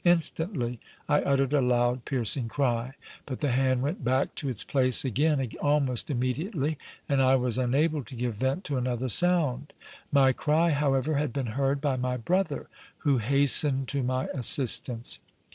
Instantly I uttered a loud, piercing cry, but the hand went back to its place again almost immediately, and I was unable to give vent to another sound. My cry, however, had been heard by my brother, who hastened to my assistance.